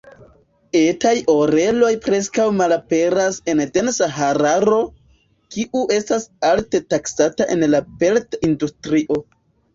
Etaj oreloj preskaŭ malaperas en densa hararo, kiu estas alte taksata en la pelt-industrio.